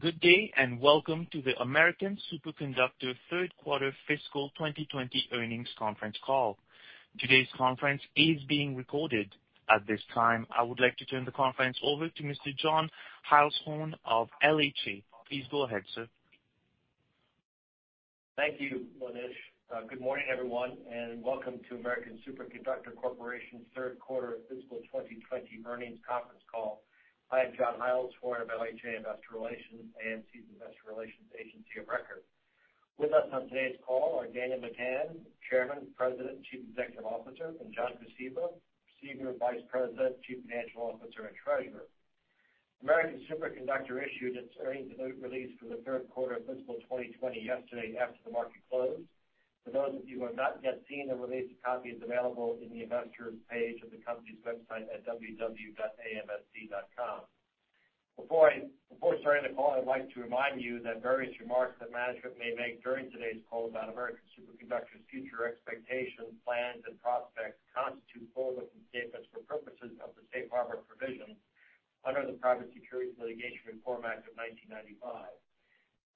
Good day. Welcome to the American Superconductor third quarter fiscal 2020 earnings conference call. Today's conference is being recorded. At this time, I would like to turn the conference over to Mr. John Heilshorn of LHA. Please go ahead, sir. Thank you, Monish. Good morning, everyone, and welcome to American Superconductor Corporation's third quarter fiscal 2020 earnings conference call. I am John Heilshorn of LHA Investor Relations, AMSC's investor relations agency of record. With us on today's call are Daniel McGahn, Chairman, President, and Chief Executive Officer, and John Kosiba, Senior Vice President, Chief Financial Officer, and Treasurer. American Superconductor issued its earnings release for the third quarter of fiscal 2020 yesterday after the market closed. For those of you who have not yet seen the release, a copy is available on the investor page of the company's website at www.amsc.com. Before starting the call, I'd like to remind you that various remarks that management may make during today's call about American Superconductor's future expectations, plans, and prospects constitute forward-looking statements for purposes of the safe harbor provisions under the Private Securities Litigation Reform Act of 1995.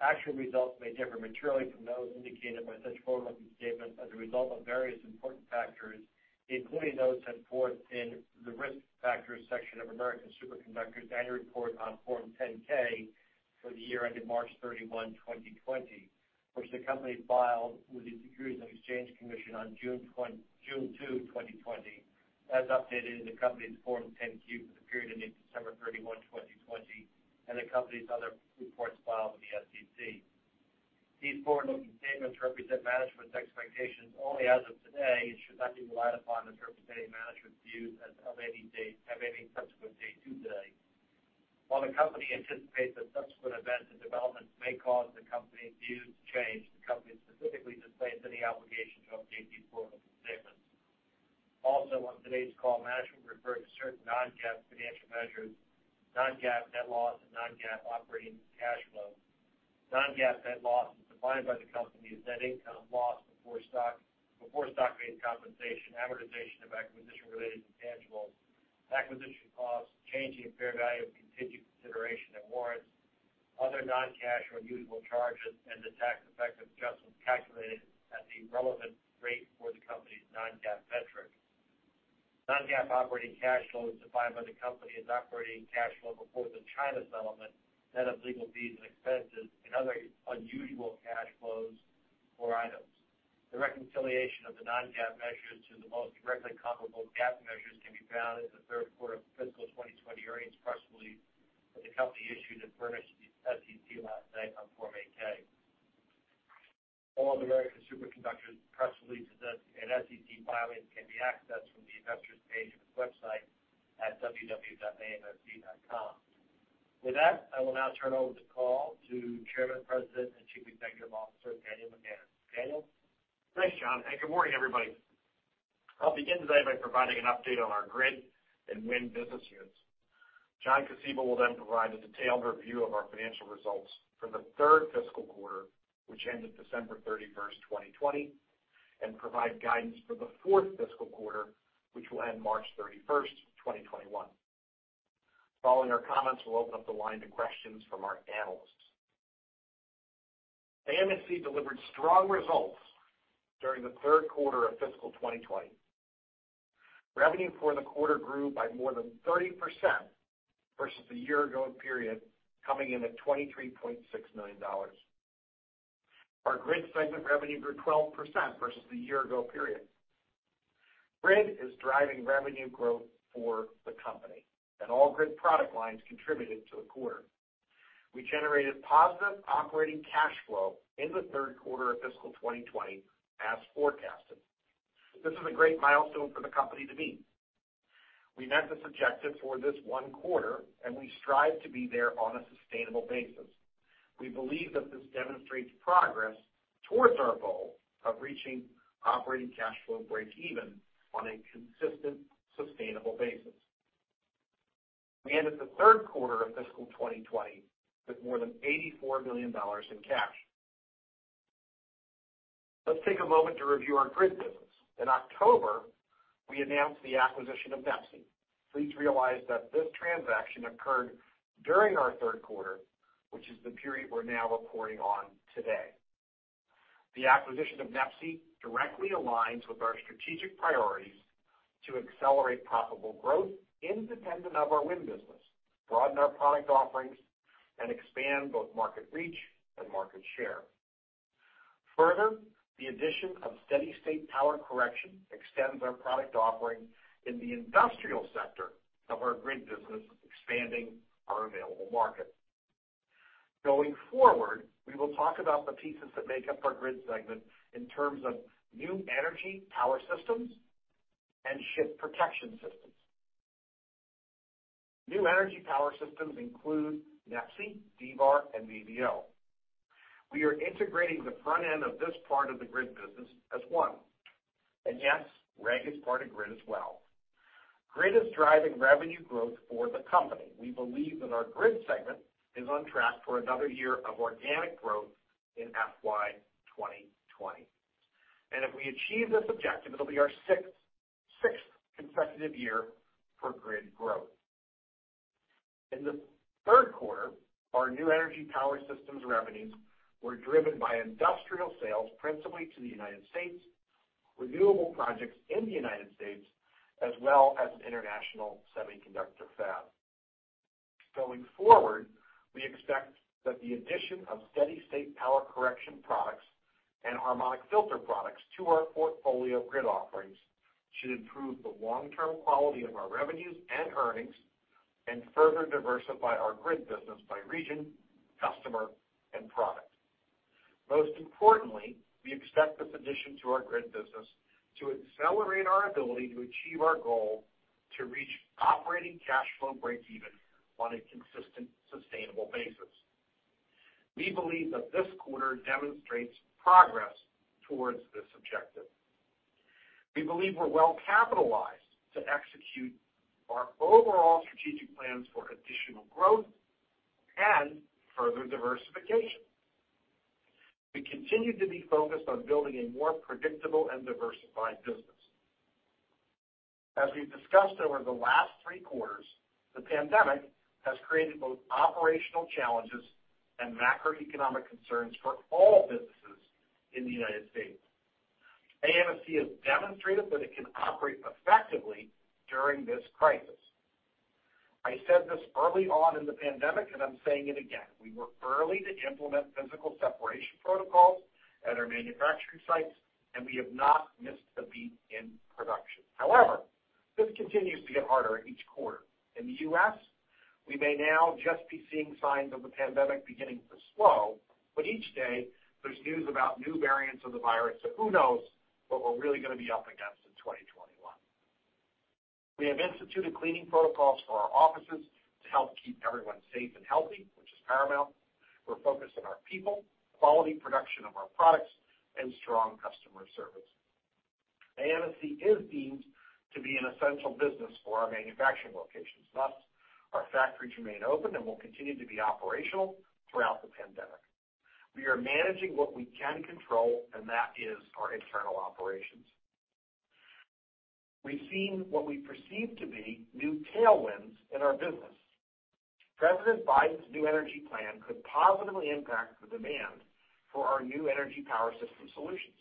Actual results may differ materially from those indicated by such forward-looking statements as a result of various important factors, including those set forth in the Risk Factors section of American Superconductor's annual report on Form 10-K for the year ended March 31, 2020, which the company filed with the Securities and Exchange Commission on June 2, 2020, as updated in the company's Form 10-Q for the period ending December 31, 2020, and the company's other reports filed with the SEC. These forward-looking statements represent management's expectations only as of today and should not be relied upon to interpret management's views of any subsequent date to today. While the company anticipates that subsequent events and developments may cause the company's views to change, the company specifically disclaims any obligation to update these forward-looking statements. On today's call, management referred to certain non-GAAP financial measures, non-GAAP net loss, and non-GAAP operating cash flow. Non-GAAP net loss is defined by the company as net income before stock-based compensation, amortization of acquisition-related intangibles, acquisition costs, change in fair value of contingent consideration and warrants, other non-cash or unusual charges, and the tax effect of adjustments calculated at the relevant rate for the company's non-GAAP metric. Non-GAAP operating cash flow is defined by the company as operating cash flow before the China settlement, net of legal fees and expenses, and other unusual cash flows or items. The reconciliation of the non-GAAP measures to the most directly comparable GAAP measures can be found in the third quarter of fiscal 2020 earnings press release that the company issued and furnished to the SEC last night on Form 8-K. All of American Superconductor's press releases and SEC filings can be accessed from the Investors page of its website at www.amsc.com. With that, I will now turn over the call to Chairman, President, and Chief Executive Officer, Daniel McGahn. Daniel? Thanks, John, and good morning, everybody. I'll begin today by providing an update on our Grid and Wind business units. John Kosiba will then provide a detailed review of our financial results for the third fiscal quarter, which ended December 31, 2020, and provide guidance for the fourth fiscal quarter, which will end March 31, 2021. Following our comments, we'll open up the line to questions from our analysts. AMSC delivered strong results during the third quarter of fiscal 2020. Revenue for the quarter grew by more than 30% versus the year-ago period, coming in at $23.6 million. Our Grid segment revenue grew 12% versus the year-ago period. Grid is driving revenue growth for the company, and all Grid product lines contributed to the quarter. We generated positive operating cash flow in the third quarter of fiscal 2020 as forecasted. This is a great milestone for the company to meet. We met this objective for this one quarter; we strive to be there on a sustainable basis. We believe that this demonstrates progress towards our goal of reaching operating cash flow breakeven on a consistent, sustainable basis. We ended the third quarter of fiscal 2020 with more than $84 million in cash. Let's take a moment to review our Grid business. In October, we announced the acquisition of NEPSI. Please realize that this transaction occurred during our third quarter, which is the period we're now reporting on today. The acquisition of NEPSI directly aligns with our strategic priorities to accelerate profitable growth independent of our Wind business, broaden our product offerings, and expand both market reach and market share. Further, the addition of steady state power correction extends our product offering in the industrial sector of our Grid business, expanding our available market. Going forward, we will talk about the pieces that make up our Grid segment in terms of New Energy Power Systems and Ship Protection Systems. New Energy Power Systems include NEPSI, D-VAR, and VVO. We are integrating the front end of this part of the Grid business as one. Yes, REG is part of the Grid segment as well. Grid is driving revenue growth for the company. We believe that our Grid segment is on track for another year of organic growth in FY 2020. If we achieve this objective, it'll be our sixth consecutive year of Grid growth. In the third quarter, our new energy power systems revenues were driven by industrial sales, principally to the U.S., renewable projects in the U.S., as well as an international semiconductor fab. Going forward, we expect that the addition of steady state power correction products and harmonic filter products to our portfolio of Grid offerings should improve the long-term quality of our revenues and earnings, and further diversify our Grid business by region, customer, and product. Most importantly, we expect this addition to our Grid business to accelerate our ability to achieve our goal to reach operating cash flow breakeven on a consistent, sustainable basis. We believe that this quarter demonstrates progress towards this objective. We believe we're well-capitalized to execute our overall strategic plans for additional growth and further diversification. We continue to be focused on building a more predictable and diversified business. As we've discussed over the last three quarters, the pandemic has created both operational challenges and macroeconomic concerns for all businesses in the U.S. AMSC has demonstrated that it can operate effectively during this crisis. I said this early on in the pandemic, and I'm saying it again. We were early to implement physical separation protocols at our manufacturing sites, and we have not missed a beat in production. However, this continues to get harder each quarter. In the U.S., we may now just be seeing signs of the pandemic beginning to slow, but each day there's news about new variants of the virus. Who knows what we're really going to be up against in 2021. We have instituted cleaning protocols for our offices to help keep everyone safe and healthy, which is paramount. We're focused on our people, the quality production of our products, and strong customer service. AMSC is deemed to be an essential business for our manufacturing locations. Thus, our factories remain open and will continue to be operational throughout the pandemic. We are managing what we can control, and that is our internal operations. We've seen what we perceive to be new tailwinds in our business. President Biden's new energy plan could positively impact the demand for our new energy power system solutions.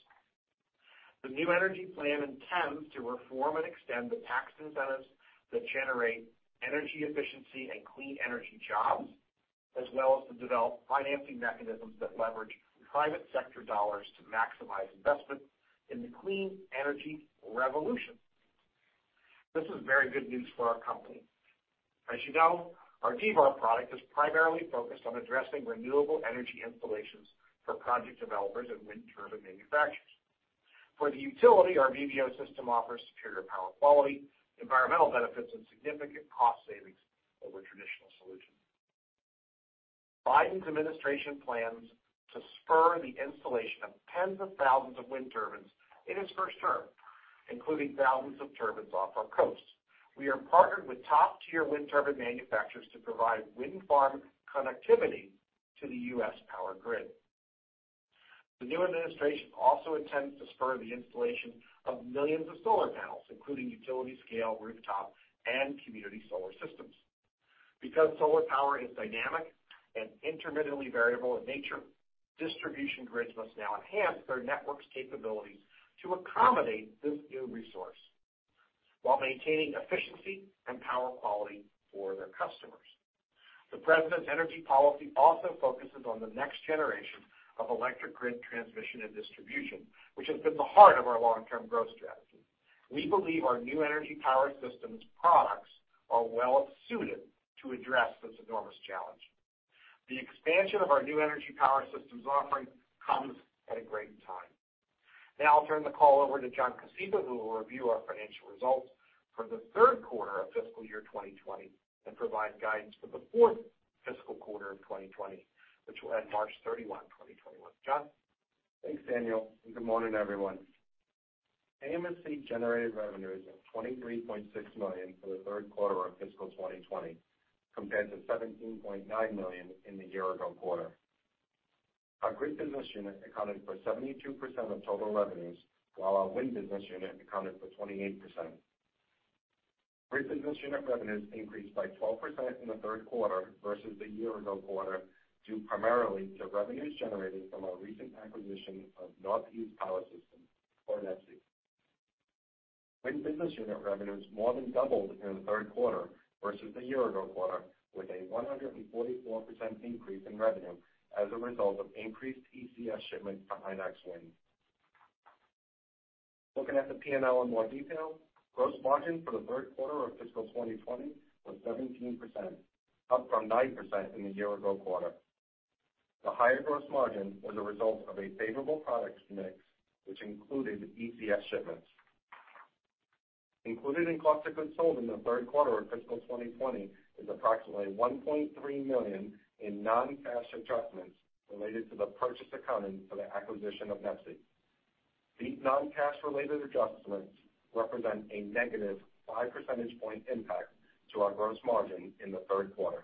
The new energy plan intends to reform and extend the tax incentives that generate energy efficiency and clean energy jobs, as well as to develop financing mechanisms that leverage private sector dollars to maximize investment in the clean energy revolution. This is very good news for our company. As you know, our D-VAR product is primarily focused on addressing renewable energy installations for project developers and wind turbine manufacturers. For the utility, our VVO system offers superior power quality, environmental benefits, and significant cost savings over traditional solutions. Biden's administration plans to spur the installation of tens of thousands of wind turbines in his first term, including thousands of turbines off our coasts. We are partnered with top-tier wind turbine manufacturers to provide wind farm connectivity to the U.S. power grid. The new administration also intends to spur the installation of millions of solar panels, including utility-scale, rooftop, and community solar systems. Because solar power is dynamic and intermittently variable in nature, distribution grids must now enhance their network's capabilities to accommodate this new resource while maintaining efficiency and power quality for their customers. The president's energy policy also focuses on the next generation of electric grid transmission and distribution, which has been the heart of our long-term growth strategy. We believe our new energy power systems products are well-suited to address this enormous challenge. The expansion of our new energy power systems offering comes at a great time. I'll turn the call over to John Kosiba, who will review our financial results for the third quarter of fiscal year 2020 and provide guidance for the fourth fiscal quarter of 2020, which will end March 31, 2021. John? Thanks, Daniel. Good morning, everyone. AMSC generated revenues of $23.6 million for the third quarter of fiscal 2020, compared to $17.9 million in the year-ago quarter. Our Grid business unit accounted for 72% of total revenues, while our Wind business unit accounted for 28%. Grid business unit revenues increased by 12% in the third quarter versus the year-ago quarter, due primarily to revenues generated from our recent acquisition of Northeast Power Systems, or NEPSI. Wind business unit revenues more than doubled in the third quarter versus the year-ago quarter, with a 144% increase in revenue as a result of increased ECS shipments to Inox Wind. Looking at the P&L in more detail, gross margin for the third quarter of fiscal 2020 was 17%, up from 9% in the year-ago quarter. The higher gross margin was a result of a favorable product mix, which included ECS shipments. Included in cost of goods sold in the third quarter of fiscal 2020 is approximately $1.3 million in non-cash adjustments related to the purchase accounting for the acquisition of NEPSI. These non-cash related adjustments represent a -5 percentage points impact on our gross margin in the third quarter.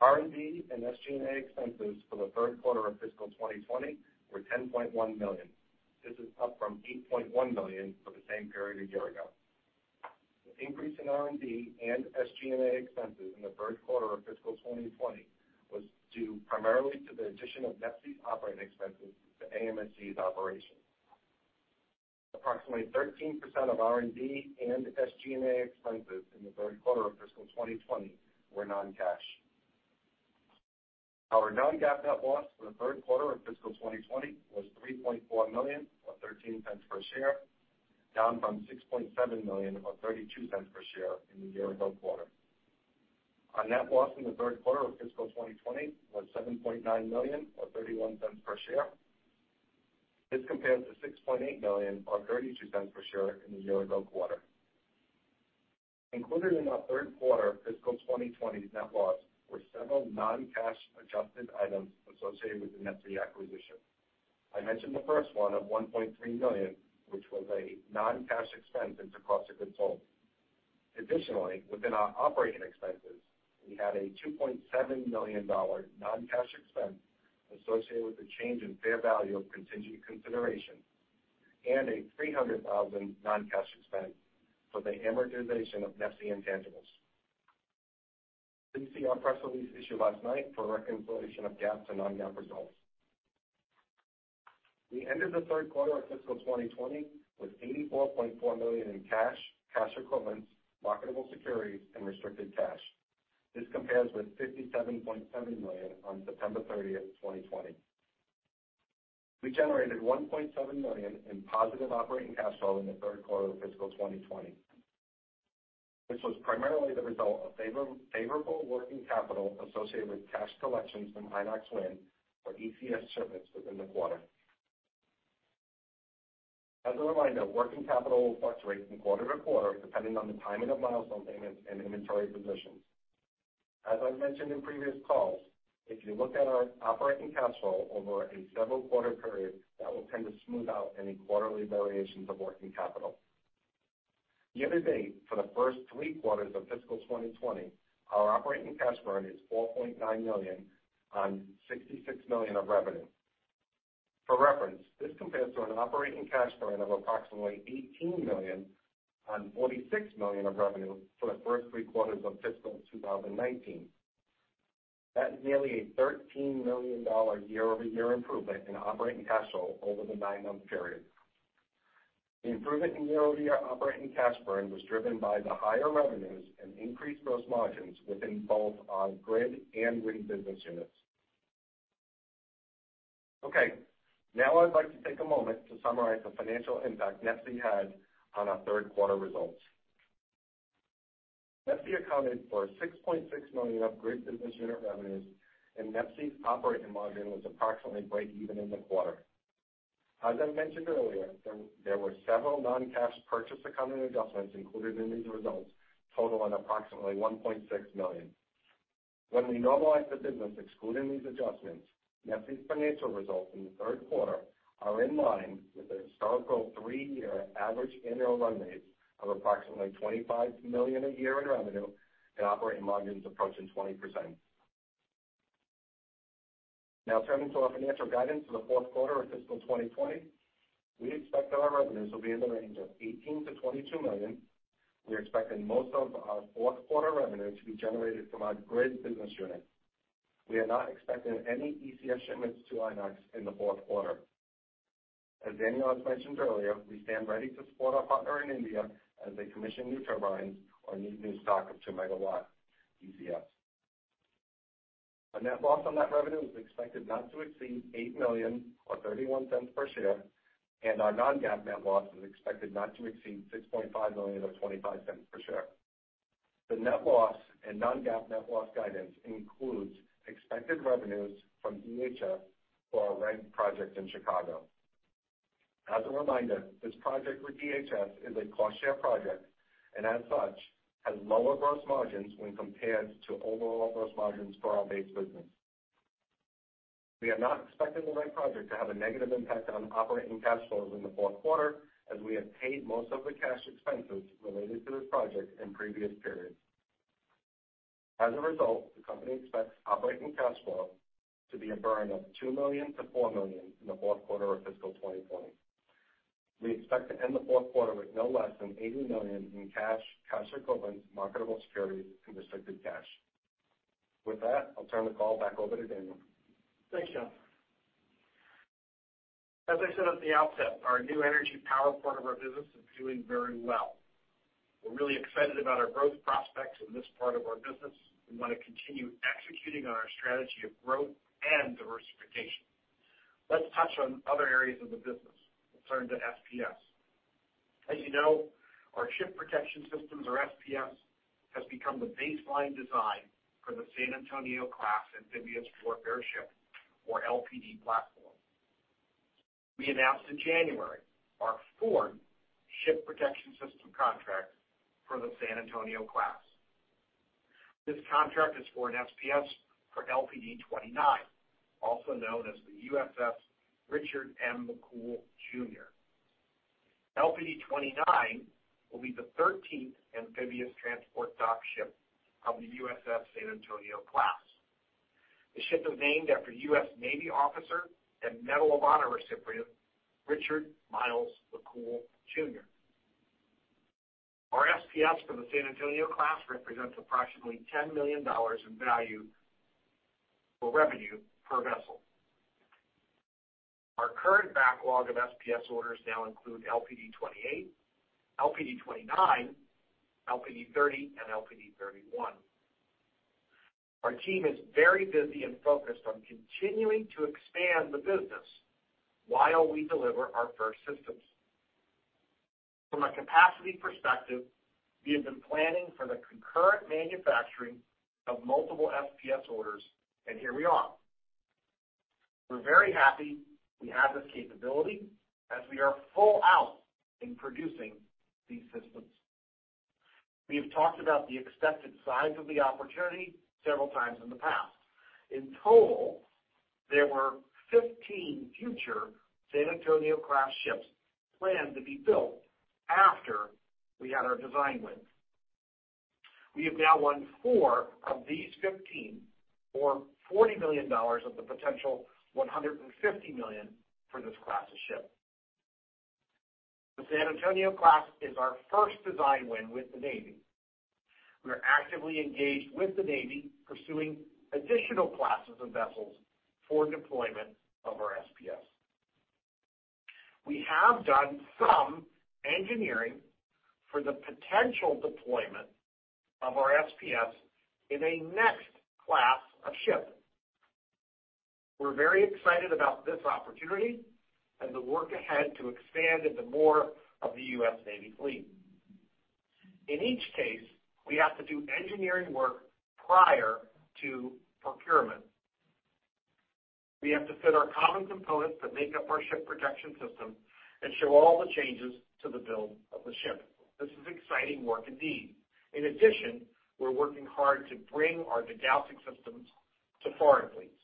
R&D and SG&A expenses for the third quarter of fiscal 2020 were $10.1 million. This is up from $8.1 million for the same period a year ago. The increase in R&D and SG&A expenses in the third quarter of fiscal 2020 was due primarily to the addition of NEPSI's operating expenses to AMSC's operations. Approximately 13% of R&D and SG&A expenses in the third quarter of fiscal 2020 were non-cash. Our non-GAAP net loss for the third quarter of fiscal 2020 was $3.4 million, or $0.13 per share, down from $6.7 million, or $0.32 per share in the year-ago quarter. Our net loss in the third quarter of fiscal 2020 was $7.9 million, or $0.31 per share. This compares to $6.8 million, or $0.32 per share, in the year-ago quarter. Included in our third quarter fiscal 2020's net loss were several non-cash adjusted items associated with the NEPSI acquisition. I mentioned the first one of $1.3 million, which was a non-cash expense into cost of goods sold. Additionally, within our operating expenses, we had a $2.7 million non-cash expense associated with the change in fair value of contingent consideration, and a $300,000 non-cash expense for the amortization of NEPSI intangibles. Please see our press release issued last night for a reconciliation of GAAP to non-GAAP results. We ended the third quarter of fiscal 2020 with $84.4 million in cash equivalents, marketable securities, and restricted cash. This compares with $57.7 million on September 30, 2020. We generated $1.7 million in positive operating cash flow in the third quarter of fiscal 2020. This was primarily the result of favorable working capital associated with cash collections from Inox Wind for ECS shipments within the quarter. As a reminder, working capital will fluctuate from quarter to quarter depending on the timing of milestone payments and inventory positions. As I've mentioned in previous calls, if you look at our operating cash flow over a several-quarter period, that will tend to smooth out any quarterly variations of working capital. Year to date, for the first three quarters of fiscal 2020, our operating cash burn is $4.9 million on $66 million of revenue. For reference, this compares to an operating cash burn of approximately $18 million on $46 million of revenue for the first three quarters of fiscal 2019. That is nearly a $13 million year-over-year improvement in operating cash flow over the nine-month period. The improvement in year-over-year operating cash burn was driven by the higher revenues and increased gross margins within both our Grid and Wind business units. Okay, now I'd like to take a moment to summarize the financial impact NEPSI had on our third quarter results. NEPSI accounted for $6.6 million of Grid division net revenues, and NEPSI's operating margin was approximately breakeven in the quarter. As I mentioned earlier, there were several non-cash purchase accounting adjustments included in these results, totaling approximately $1.6 million. When we normalize the business excluding these adjustments, NEPSI's financial results in the third quarter are in line with their historical three-year average annual run rate of approximately $25 million a year in revenue and operating margins approaching 20%. Turning to our financial guidance for the fourth quarter of fiscal 2020. We expect that our revenues will be in the range of $18 million-$22 million. We are expecting most of our fourth quarter revenue to be generated from our Grid business unit. We are not expecting any ECS shipments to Inox in the fourth quarter. As Daniel has mentioned earlier, we stand ready to support our partner in India as they commission new turbines or need a new stock of 2 MW ECS. Our net loss on net revenue is expected not to exceed $8 million or $0.31 per share, and our non-GAAP net loss is expected not to exceed $6.5 million or $0.25 per share. The net loss and non-GAAP net loss guidance include expected revenues from DHS for our REG project in Chicago. As a reminder, this project with DHS is a cost-share project, and as such, has lower gross margins when compared to overall gross margins for our base business. We are not expecting the REG project to have a negative impact on operating cash flows in the fourth quarter, as we have paid most of the cash expenses related to this project in previous periods. As a result, the company expects operating cash flow to be a burn of $2 million-$4 million in the fourth quarter of fiscal 2020. We expect to end the fourth quarter with no less than $80 million in cash, cash equivalents, marketable securities, and restricted cash. With that, I'll turn the call back over to Daniel. Thanks, John. As I said at the outset, our new energy power part of our business is doing very well. We're really excited about our growth prospects in this part of our business. We want to continue executing on our strategy of growth and diversification. Let's touch on other areas of the business. Let's turn to SPS. As you know, our Ship Protection Systems, or SPS, have become the baseline design for the San Antonio-class amphibious transport dock ship, or LPD platform. We announced in January our fourth Ship Protection System contract for the San Antonio-class. This contract is for an SPS for LPD 29, also known as the USS Richard M. McCool Jr. LPD 29 will be the 13th amphibious transport dock ship of the USS San Antonio-class. The ship is named after U.S. Navy officer and Medal of Honor recipient Richard Miles McCool Jr. Our SPS for the San Antonio-class represents approximately $10 million in value for revenue per vessel. Our current backlog of SPS orders now includes LPD 28, LPD 29, LPD 30, and LPD 31. Our team is very busy and focused on continuing to expand the business while we deliver our first systems. From a capacity perspective, we have been planning for the concurrent manufacturing of multiple SPS orders. Here we are. We're very happy we have this capability as we are full out in producing these systems. We have talked about the expected size of the opportunity several times in the past. In total, there were 15 future San Antonio-class ships planned to be built after we had our design win. We have now won four of these 15, or $40 million of the potential $150 million for this class of ship. The San Antonio-class is our first design win with the Navy. We are actively engaged with the Navy, pursuing additional classes of vessels for the deployment of our SPS. We have done some engineering for the potential deployment of our SPS in the next class of ships. We're very excited about this opportunity and the work ahead to expand into more of the U.S. Navy fleet. In each case, we have to do engineering work prior to procurement. We have to fit our common components that make up our ship protection system and show all the changes to the build of the ship. This is exciting work indeed. In addition, we're working hard to bring our degaussing systems to foreign fleets.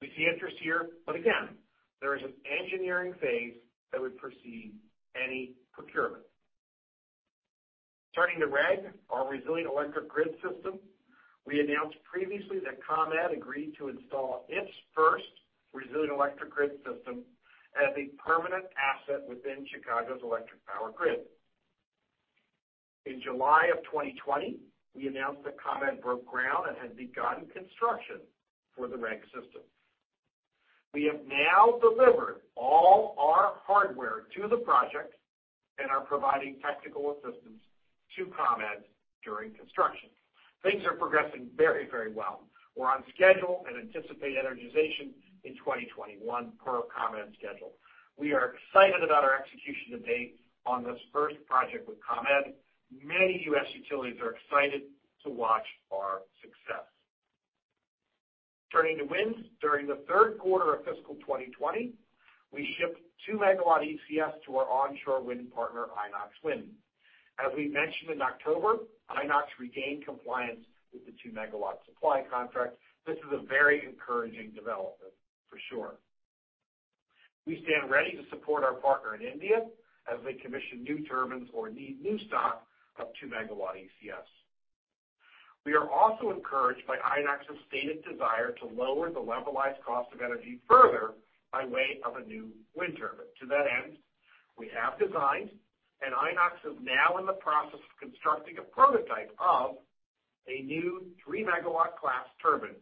We see interest here, but again, there is an engineering phase that would precede any procurement. Turning to REG, our Resilient Electric Grid system. We announced previously that ComEd agreed to install its first Resilient Electric Grid system as a permanent asset within Chicago's electric power grid. In July of 2020, we announced that ComEd broke ground and had begun construction for the REG system. We have now delivered all our hardware to the project and are providing technical assistance to ComEd during construction. Things are progressing very well. We're on schedule and anticipate energization in 2021 per ComEd's schedule. We are excited about our execution to date on this first project with ComEd. Many U.S. utilities are excited to watch our success. Turning to Wind. During the third quarter of fiscal 2020, we shipped 2 MW ECS to our onshore wind partner, Inox Wind. As we mentioned in October, Inox regained compliance with the 2 MW supply contract. This is a very encouraging development for sure. We stand ready to support our partner in India as they commission new turbines or need a new stock of 2 MW ECS. We are also encouraged by Inox's stated desire to lower the levelized cost of energy further by way of a new wind turbine. To that end, we have designed, and Inox is now in the process of constructing a prototype of a new 3 MW class turbine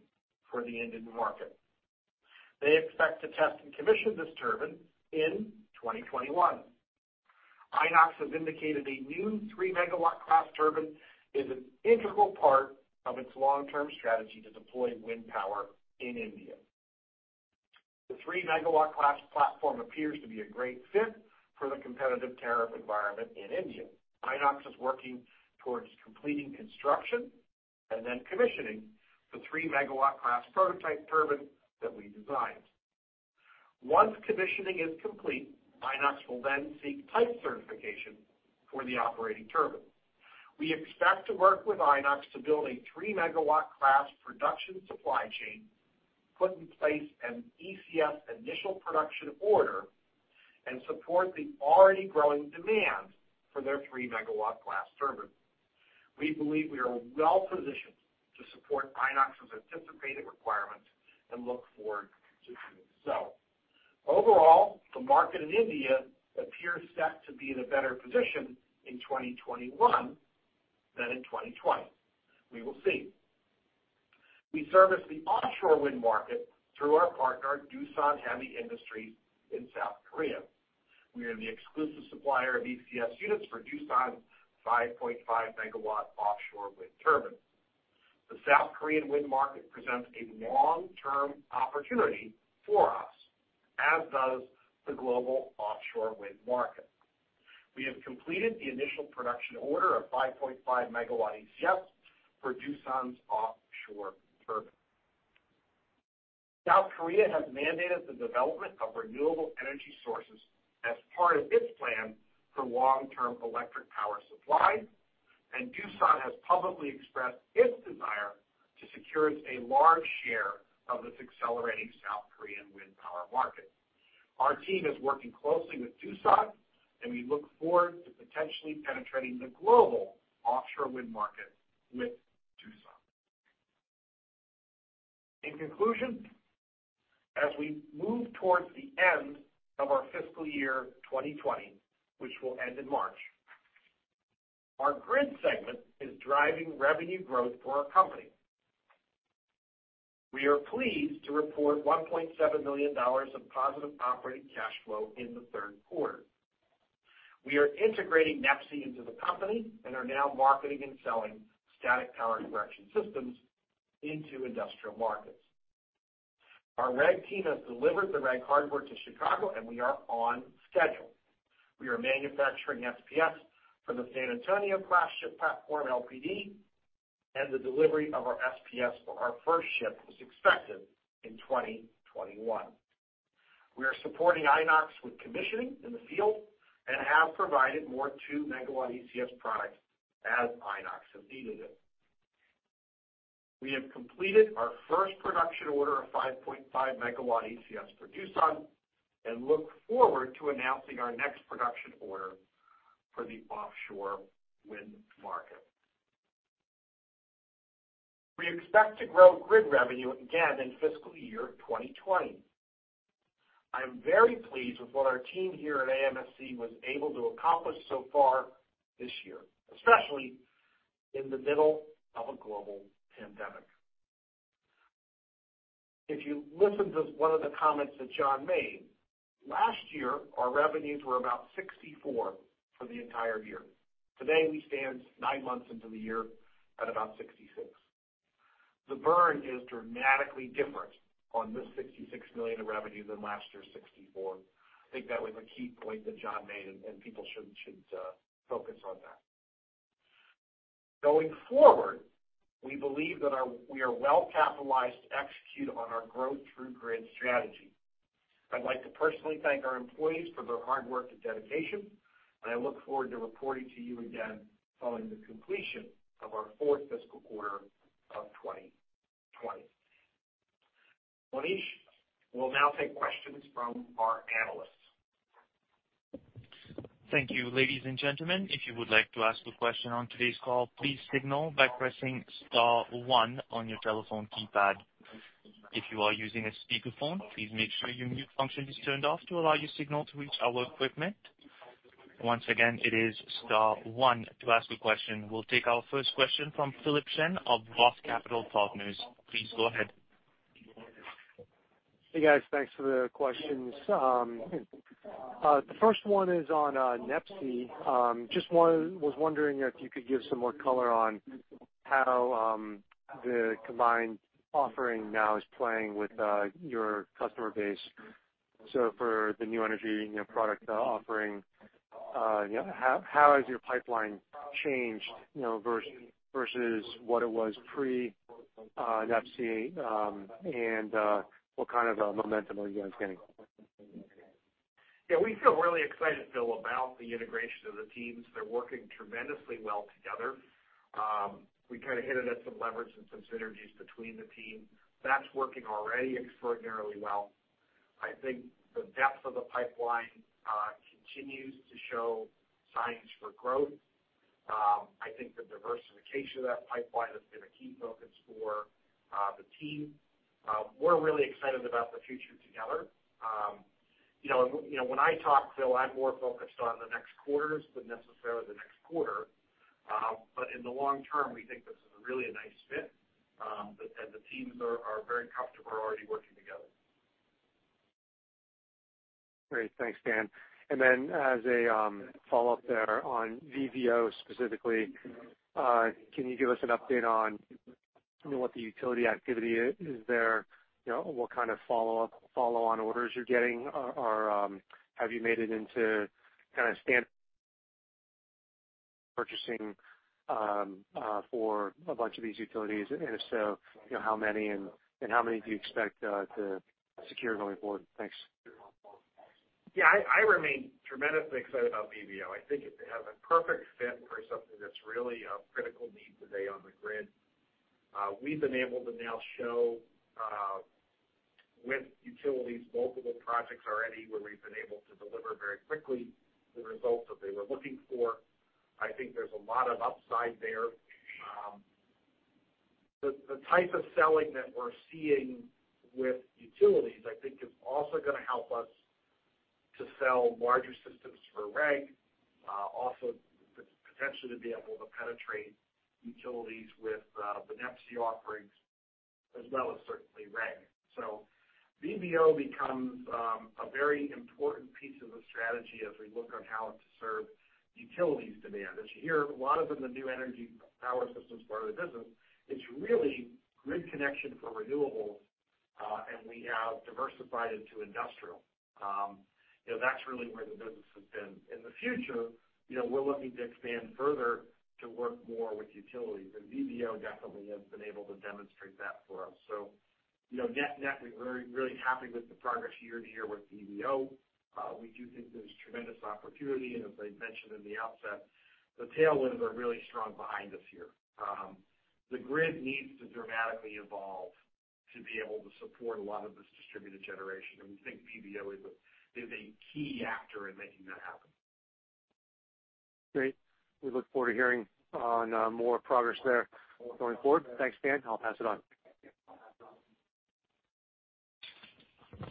for the Indian market. They expect to test and commission this turbine in 2021. Inox has indicated a new 3 MW class turbine is an integral part of its long-term strategy to deploy wind power in India. The 3 MW class platform appears to be a great fit for the competitive tariff environment in India. Inox is working towards completing construction and then commissioning the 3 MW class prototype turbine that we designed. Once commissioning is complete, Inox will then seek type certification for the operating turbine. We expect to work with Inox to build a 3 MW class production supply chain, put in place an ECS initial production order, and support the already growing demand for their 3 MW class turbine. We believe we are well-positioned to support Inox's anticipated requirements and look forward to doing so. Overall, the market in India appears set to be in a better position in 2021 than in 2020. We will see. We service the offshore wind market through our partner, Doosan Heavy Industries in South Korea. We are the exclusive supplier of ECS units for Doosan's 5.5 MW offshore wind turbine. The South Korean wind market presents a long-term opportunity for us, as does the global offshore wind market. We have completed the initial production order of 5.5 MW ECS for Doosan's offshore turbine. South Korea has mandated the development of renewable energy sources as part of its plan for long-term electric power supply. Doosan has publicly expressed its desire to secure a large share of this accelerating South Korean wind power market. Our team is working closely with Doosan. We look forward to potentially penetrating the global offshore wind market with Doosan. In conclusion, as we move towards the end of our fiscal year 2020, which will end in March, our Grid segment is driving revenue growth for our company. We are pleased to report $1.7 million of positive operating cash flow in the third quarter. We are integrating NEPSI into the company and are now marketing and selling static power correction systems into industrial markets. Our REG team has delivered the REG hardware to Chicago, and we are on schedule. We are manufacturing SPS for the San Antonio-class ship platform, LPD, and the delivery of our SPS for our first ship is expected in 2021. We are supporting Inox with commissioning in the field and have provided more 2 MW ECS products as Inox has needed them. We have completed our first production order of 5.5 MW ECS for Doosan and look forward to announcing our next production order for the offshore wind market. We expect to grow Grid revenue again in fiscal year 2020. I am very pleased with what our team here at AMSC was able to accomplish so far this year, especially in the middle of a global pandemic. If you listen to one of the comments that John made last year, our revenues were about $64 million for the entire year. Today, we stand nine months into the year at about $66 million. The burn is dramatically different on this $66 million of revenue than last year's $64 million. I think that was a key point that John made. People should focus on that. Going forward, we believe that we are well-capitalized to execute on our Growth-through-Grid strategy. I'd like to personally thank our employees for their hard work and dedication. I look forward to reporting to you again following the completion of our fourth fiscal quarter of 2020. Monish will now take questions from our analysts. Thank you, ladies and gentlemen. If you would like to ask a question on today's call, please signal by pressing star one on your telephone keypad. If you are using a speakerphone, please make sure your mute function is turned off to allow your signal to reach our equipment. Once again, it is star one to ask a question. We'll take our first question from Philip Shen of ROTH Capital Partners. Please go ahead. Hey, guys. Thanks for the questions. The first one is on NEPSI. Just was wondering if you could give some more color on how the combined offering now is playing with your customer base. For the new energy product offering, how has your pipeline changed versus what it was pre-NEPSI, and what kind of momentum are you guys getting? We feel really excited, Phil, about the integration of the teams. They're working tremendously well together. We kind of hinted at some leverage and some synergies between the teams. That's working already extraordinarily well. I think the depth of the pipeline continues to show signs for growth. I think the diversification of that pipeline has been a key focus for the team. We're really excited about the future together. When I talk, Phil, I'm more focused on the next quarters than necessarily the next quarter. In the long term, we think this is really a nice fit, and the teams are very comfortable already working together. Great. Thanks, Dan. As a follow-up there on VVO specifically, can you give us an update on what the utility activity is there? What kind of follow-on orders you're getting? Or have you made it into kind of standard purchasing for a bunch of these utilities? And if so, how many, and how many do you expect to secure going forward? Thanks. I remain tremendously excited about VVO. I think it has a perfect fit for something that's really a critical need today on the grid. We've been able to now show with utilities multiple projects already where we've been able to deliver very quickly the results that they were looking for. I think there's a lot of upside there. The type of selling that we're seeing with utilities, I think, is also going to help us to sell larger systems for REG, also potentially to be able to penetrate utilities with the NEPSI offerings as well as certainly REG. VVO becomes a very important piece of the strategy as we look on how to serve utilities demand. As you hear, a lot of the new energy power systems part of the business is really grid connection for renewables, and we have diversified into industrial. That's really where the business has been. In the future, we're looking to expand further to work more with utilities. VVO definitely has been able to demonstrate that for us. We're very happy with the progress year-to-year with VVO. We do think there's tremendous opportunity. As I mentioned in the outset, the tailwinds are really strong behind us here. The grid needs to dramatically evolve to be able to support a lot of this distributed generation. We think VVO is a key actor in making that happen. Great. We look forward to hearing on more progress there going forward. Thanks, Dan. I'll pass it on.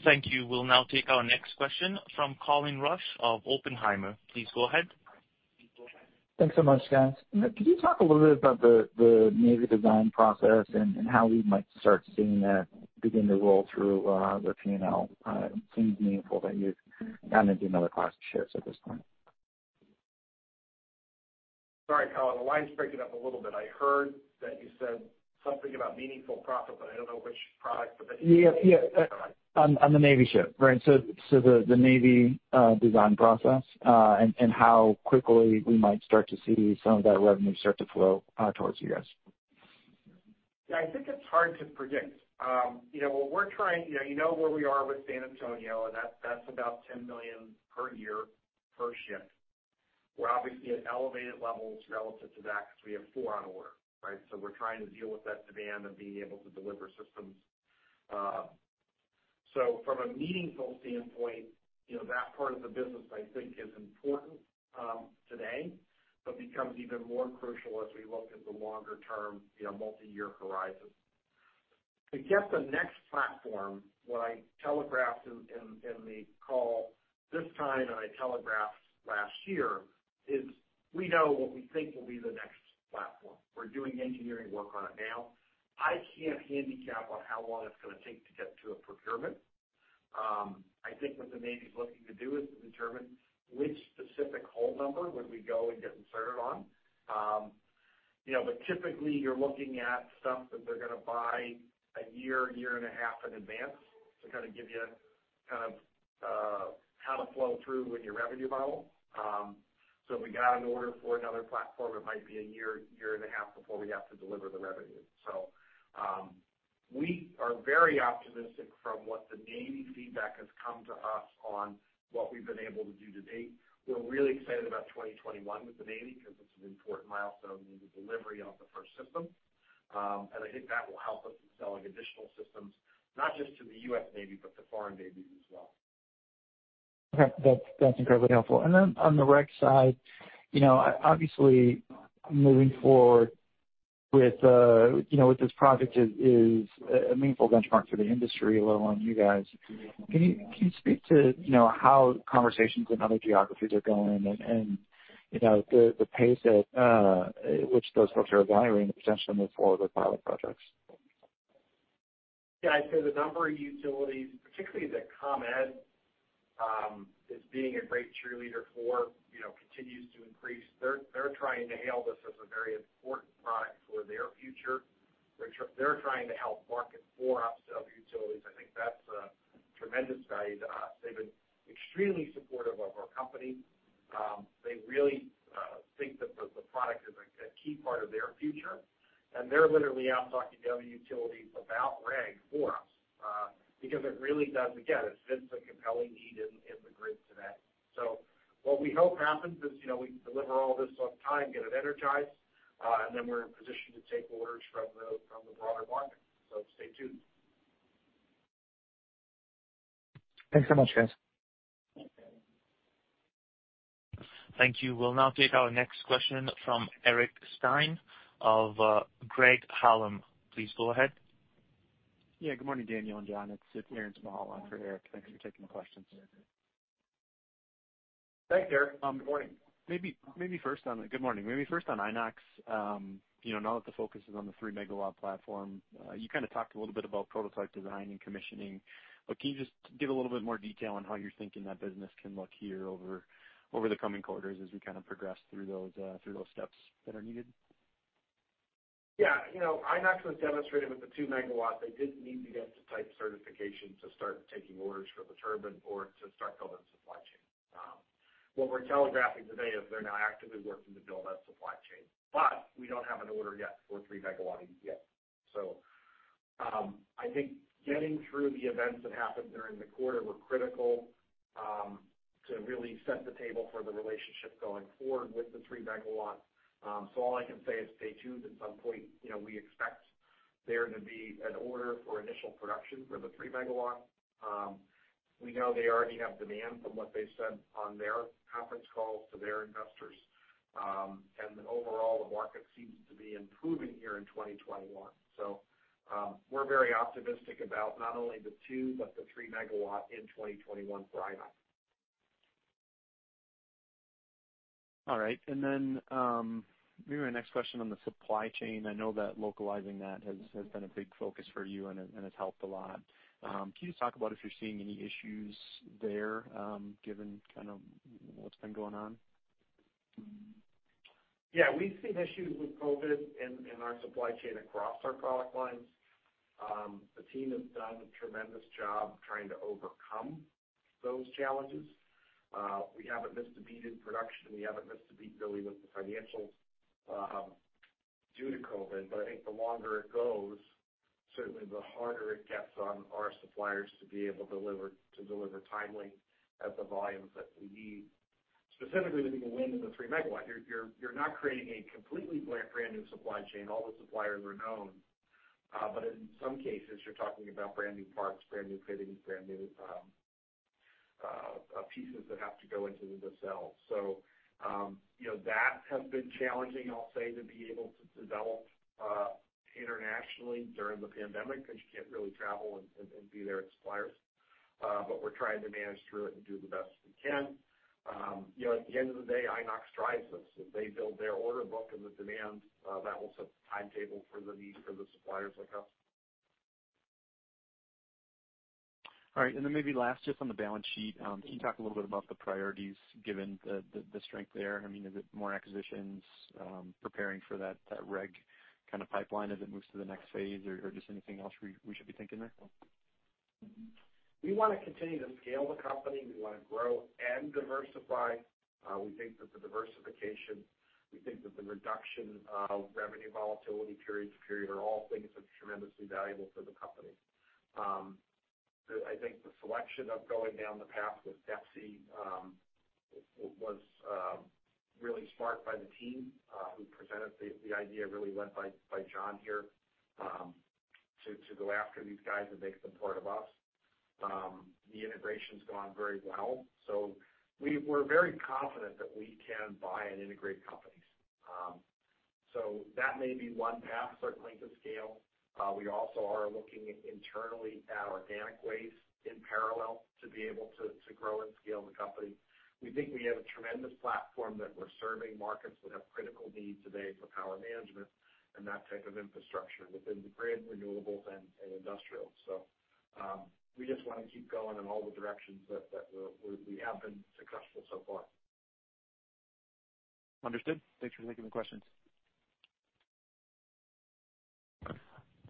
Thank you. We'll now take our next question from Colin Rusch of Oppenheimer. Please go ahead. Thanks so much, guys. Could you talk a little bit about the Navy design process and how we might start seeing that begin to roll through the P&L? It seems meaningful that you've gotten into another class of ships at this point. Sorry, Colin, the line's breaking up a little bit. I heard that you said something about meaningful profit, but I don't know which product that- Yes. On the Navy ship. The Navy design process, and how quickly we might start to see some of that revenue start to flow towards you guys? Yeah, I think it's hard to predict. You know where we are with San Antonio, that's about $10 million per year, per ship. We're obviously at elevated levels relative to that because we have four on order. We're trying to deal with that demand of being able to deliver systems. From a meaningful standpoint, that part of the business, I think is important today, but becomes even more crucial as we look at the longer-term multi-year horizon. To get the next platform, what I telegraphed in the call this time, and I telegraphed last year, is we know what we think will be the next platform. We're doing engineering work on it now. I can't handicap on how long it's going to take to get to a procurement. I think what the Navy's looking to do is to determine which specific hull number would we go and get inserted on. Typically, you're looking at stuff that they're going to buy a year, a year and a half in advance to kind of give you how to flow through with your revenue model. If we got an order for another platform, it might be a year, a year and a half before we have to deliver the revenue. We are very optimistic from what the Navy feedback has come to us on what we've been able to do to date. We're really excited about 2021 with the Navy because it's an important milestone in the delivery of the first system. I think that will help us in selling additional systems, not just to the U.S. Navy, but to foreign navies as well. Okay. That's incredibly helpful. On the REG side, obviously, moving forward with this project is a meaningful benchmark for the industry, let alone you guys. Can you speak to how conversations in other geographies are going and the pace at which those folks are evaluating the potential to move forward with pilot projects? I'd say the number of utilities, particularly ComEd, is being a great cheerleader for, continues to increase. They're trying to hail this as a very important product for their future. They're trying to help market for us to other utilities. I think that's a tremendous value to us. They've been extremely supportive of our company. They really think that the product is a key part of their future, and they're literally out talking to other utilities about REG for us because it really does Again, it fits a compelling need in the grid today. What we hope happens is we deliver all this on time, get it energized, and then we're in position to take orders from the broader market. Stay tuned. Thanks so much, guys. Thank you. We'll now take our next question from Eric Stine of Craig-Hallum. Please go ahead. Good morning, Daniel and John. It's Aaron Spychalla for Eric. Thanks for taking the questions. Thanks, Aaron. Good morning. Good morning. First on Inox, now that the focus is on the 3 MW platform. You talked a little bit about prototype design and commissioning, can you just give a little bit more detail on how you're thinking that business can look here over the coming quarters as we progress through those steps that are needed? Yeah. Inox was demonstrated with the 2 MW. They did need to get the type certification to start taking orders for the turbine or to start building supply chain. What we're telegraphing today is they're now actively working to build that supply chain, but we don't have an order yet for 3 MW yet. I think getting through the events that happened during the quarter were critical to really set the table for the relationship going forward with the 3 MW. All I can say is stay tuned. At some point, we expect there to be an order for initial production for the 3 MW. We know they already have demand from what they've said on their conference calls to their investors. Overall, the market seems to be improving here in 2021. We're very optimistic about not only the two, but the 3 MW in 2021 for Inox. All right. Maybe my next question on the supply chain. I know that localizing that has been a big focus for you and has helped a lot. Can you talk about if you're seeing any issues there given what's been going on? We've seen issues with COVID in our supply chain across our product lines. The team has done a tremendous job trying to overcome those challenges. We haven't missed a beat in production. We haven't missed a beat really with the financials due to COVID. I think the longer it goes, certainly the harder it gets on our suppliers to be able to deliver timely at the volumes that we need. Specifically with the wind and the 3 MW, you're not creating a completely brand-new supply chain. All the suppliers are known. In some cases, you're talking about brand-new parts, brand-new fittings, brand-new pieces that have to go into the nacelle. That has been challenging, I'll say, to be able to develop internationally during the pandemic because you can't really travel and be there at suppliers. We're trying to manage through it and do the best we can. At the end of the day, Inox drives us. If they build their order book and the demand, that will set the timetable for the needs for the suppliers like us. All right, maybe last, just on the balance sheet. Can you talk a little bit about the priorities given the strength there? Is it more acquisitions, preparing for that REG kind of pipeline as it moves to the next phase, or just anything else we should be thinking there? We want to continue to scale the company. We want to grow and diversify. We think that the diversification, we think that the reduction of revenue volatility period to period are all things that are tremendously valuable for the company. I think the selection of going down the path with NEPSI was really smart by the team who presented the idea, really led by John here, to go after these guys and make them part of us. The integration's gone very well. We're very confident that we can buy and integrate companies. That may be one path, certainly to scale. We also are looking internally at organic ways in parallel to be able to grow and scale the company. We think we have a tremendous platform that we're serving markets that have critical needs today for power management and that type of infrastructure within the grid, renewables, and industrial. We just want to keep going in all the directions that we have been successful so far. Understood. Thanks for taking the question.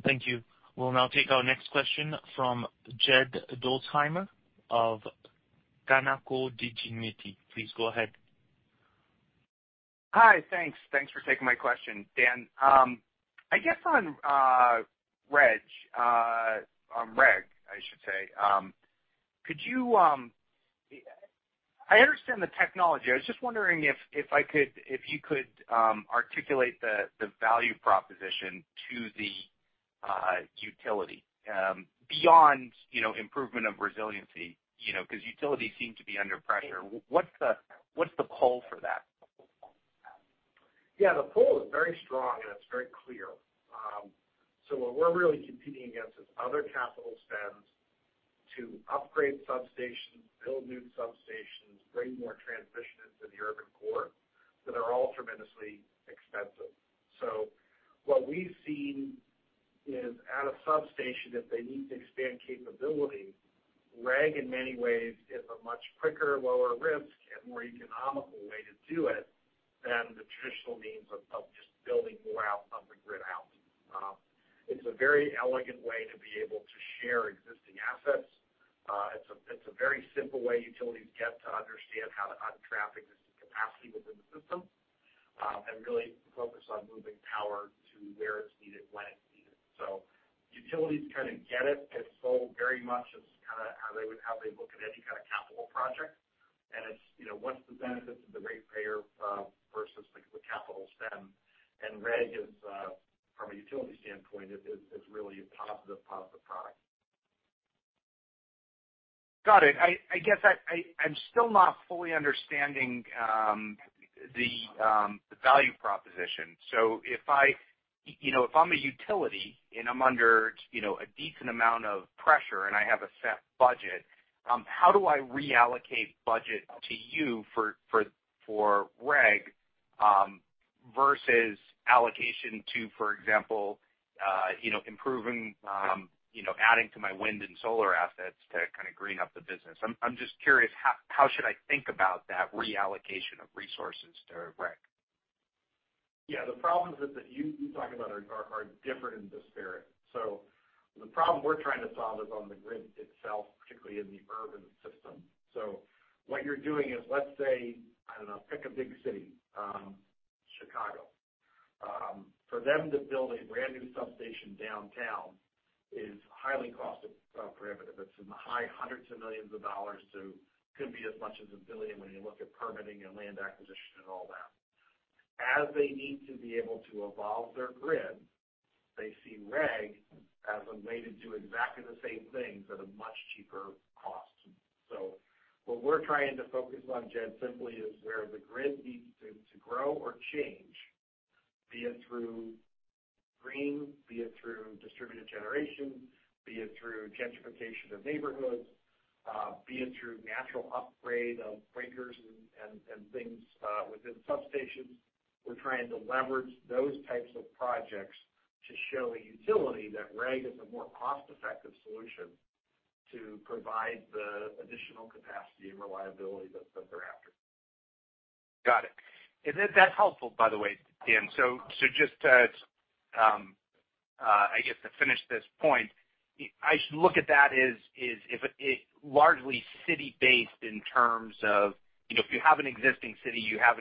Thank you. We'll now take our next question from Jed Dorsheimer of Canaccord Genuity. Please go ahead. Hi. Thanks for taking my question, Dan. I guess on REG, I understand the technology. I was just wondering if you could articulate the value proposition to the utility beyond improvement of resiliency because utilities seem to be under pressure. What's the pull for that? Yeah, the pull is very strong, and it's very clear. What we're really competing against is other capital spending to upgrade substations, build new substations, and bring more transmission into the urban core, which are all tremendously expensive. What we've seen is that at a substation, if they need to expand capability, REG in many ways is a much quicker, lower risk, and more economical way to do it than the traditional means of just building more out on the grid. It's a very elegant way to be able to share existing assets. It's a very simple way utilities get to understand how to unclog this capacity within the system, and really focus on moving power to where it's needed, when it's needed. Utilities kind of get it. It's sold very much as kind of how they look at any kind of capital project, it's what the benefits of the ratepayer are versus the capital spend. REG is, from a utility standpoint, a really positive product. Got it. I guess I'm still not fully understanding the value proposition. If I'm a utility and I'm under a decent amount of pressure and I have a set budget, how do I reallocate budget to you for REG, versus allocation to, for example, improving, adding to my wind and solar assets to kind of green up the business? I'm just curious, how should I think about that reallocation of resources to REG? Yeah. The problems that you talk about are different and disparate. The problem we're trying to solve is on the grid itself, particularly in the urban system. What you're doing is, let's say, I don't know, pick a big city. Chicago. For them to build a brand-new substation downtown is highly cost-prohibitive. It's in the high hundreds of millions of dollars to could be as much as $1 billion when you look at permitting, land acquisition, and all that. As they need to be able to evolve their grid, they see REG as a way to do exactly the same things at a much cheaper cost. What we're trying to focus on, Jed, simply is where the grid needs to grow or change, be it through green, be it through distributed generation, be it through gentrification of neighborhoods, be it through natural upgrade of breakers and things within substations. We're trying to leverage those types of projects to show a utility that REG is a more cost-effective solution to provide the additional capacity and reliability. Got it. That's helpful, by the way, Dan. Just to, I guess, to finish this point, I should look at that as if it were largely city-based in terms of, if you have an existing city, you have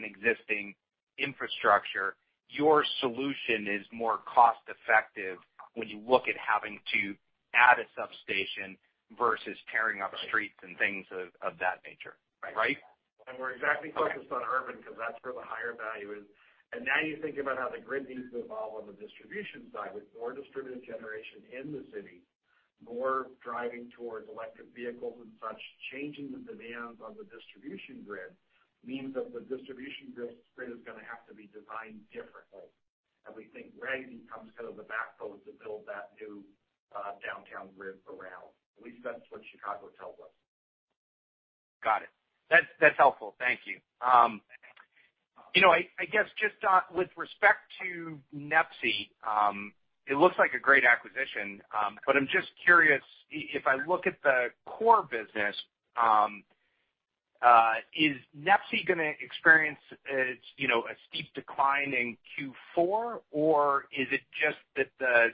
an existing infrastructure, your solution is more cost-effective when you look at having to add a substation versus tearing up streets and things of that nature. Right? We're exactly focused on urban because that's where the higher value is. Now you think about how the grid needs to evolve on the distribution side with more distributed generation in the city, more driving towards electric vehicles, and so on. Changing the demands on the distribution grid means that the distribution grid is going to have to be designed differently. We think REG becomes kind of the backbone to build that new downtown grid around. At least that's what Chicago tells us. Got it. That's helpful. Thank you. I guess just with respect to NEPSI, it looks like a great acquisition. I'm just curious, if I look at the core business, is NEPSI going to experience a steep decline in Q4, or is it just that the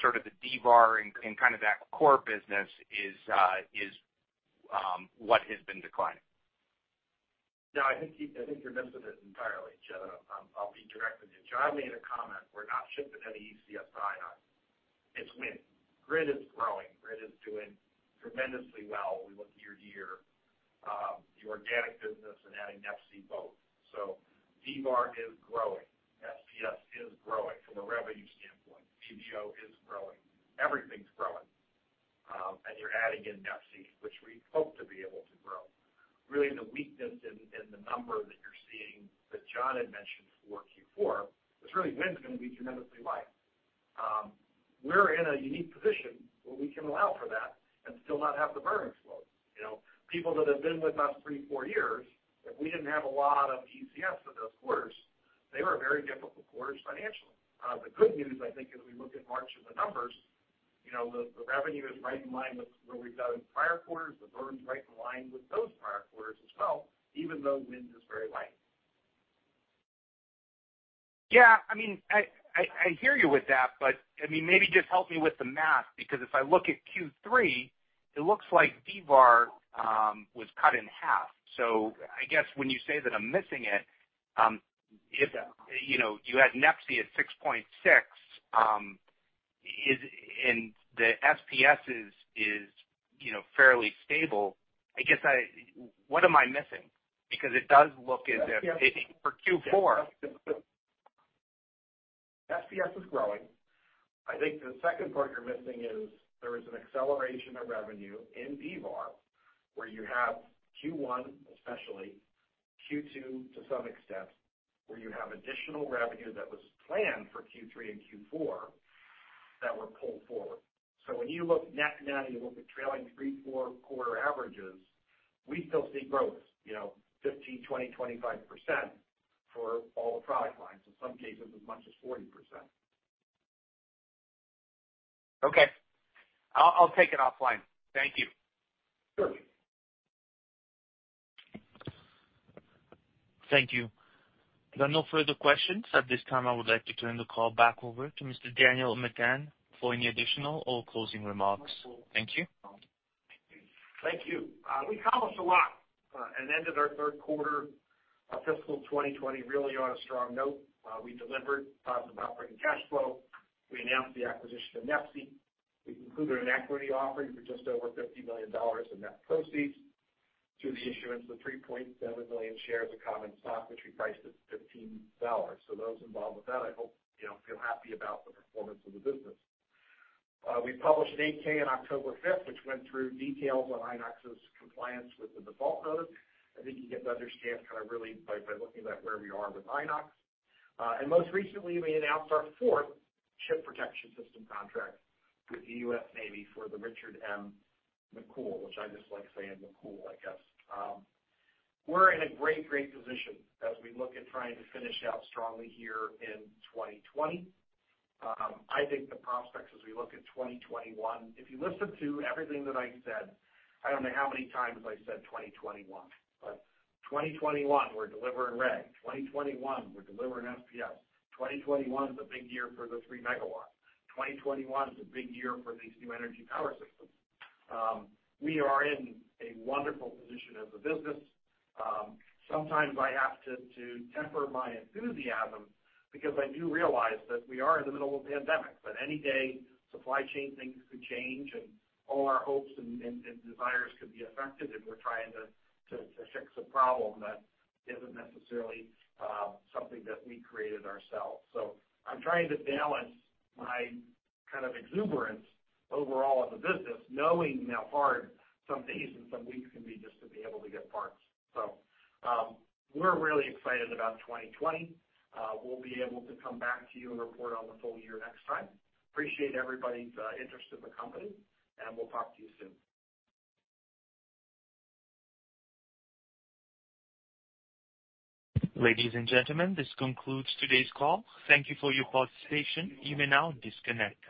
sort of D-VAR and kind of that core business is what has been declining? No, I think you're missing it entirely, Jed. I'll be direct with you. John made a comment. We're not shipping any ECS to Inox. It's Wind. Grid is growing. Grid is doing tremendously well when we look year-over-year, the organic business, and adding NEPSI both. D-VAR is growing. SPS is growing from a revenue standpoint. VVO is growing. Everything's growing. You're adding in NEPSI, which we hope to be able to grow. Really, the weakness in the number that you're seeing that John had mentioned for Q4 is that Wind's going to be tremendously light. We're in a unique position where we can allow for that and still not have the burn explode. People who have been with us three, four years, if we didn't have a lot of ECS for those quarters, they were very difficult quarters financially. The good news, I think, as we look at March and the numbers, the revenue is right in line with where we've been in prior quarters. The burn's right in line with those prior quarters as well, even though Wind is very light. Yeah, I hear you with that, but maybe just help me with the math, because if I look at Q3, it looks like D-VAR was cut in half. I guess when you say that I'm missing it, you add NEPSI at $6.6 million, and the SPS is fairly stable. What am I missing? It does look as if for Q4. SPS is growing. I think the second part you're missing is that there is an acceleration of revenue in D-VAR, where you have Q1, especially, Q2 to some extent, where you have additional revenue that was planned for Q3 and Q4 that were pulled forward. When you look net-net, and you look at trailing three, four quarter averages, we still see growth, 15%, 20%, 25% for all the product lines, in some cases as much as 40%. Okay. I'll take it offline. Thank you. Sure. Thank you. There are no further questions. At this time, I would like to turn the call back over to Mr. Daniel McGahn for any additional or closing remarks. Thank you. Thank you. We accomplished a lot and ended our third quarter of fiscal 2020 really on a strong note. We delivered positive operating cash flow. We announced the acquisition of NEPSI. We concluded an equity offering for just over $50 million in net proceeds through the issuance of 3.7 million shares of common stock, which we priced at $15. Those involved with that, I hope, feel happy about the performance of the business. We published an 8-K on October 5th, which went through details on Inox's compliance with the default notice. I think you get a better stance, kind of really, by looking at where we are with Inox. Most recently, we announced our fourth Ship Protection System contract with the U.S. Navy for the Richard M. McCool, which I just like saying McCool, I guess. We're in a great position as we look at trying to finish out strongly here in 2020. I think the prospects as we look at 2021, if you listen to everything that I said, I don't know how many times I said 2021, but 2021, we're delivering REG. In 2021, we're delivering SPS. 2021 is a big year for the 3 MW. 2021 is a big year for these new energy power systems. We are in a wonderful position as a business. Sometimes I have to temper my enthusiasm because I do realize that we are in the middle of a pandemic, that any day, supply chain things could change, and all our hopes and desires could be affected, and we're trying to fix a problem that isn't necessarily something that we created ourselves. I'm trying to balance my kind of exuberance overall as a business, knowing how hard some days and some weeks can be just to be able to get parts. We're really excited about 2020. We'll be able to come back to you and report on the full year next time. Appreciate everybody's interest in the company, and we'll talk to you soon. Ladies and gentlemen, this concludes today's call. Thank you for your participation. You may now disconnect.